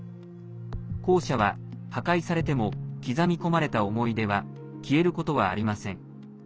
校舎は破壊されても刻み込まれた思い出は消えることはありません。